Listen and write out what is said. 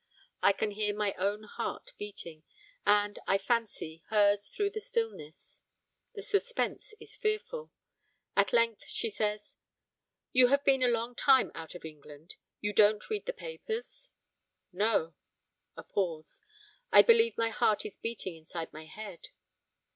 I can hear my own heart beating, and, I fancy, hers through the stillness. The suspense is fearful. At length she says 'You have been a long time out of England; you don't read the papers?' 'No.' A pause. I believe my heart is beating inside my head.